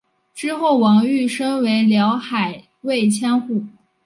之后王瑜升为辽海卫千户。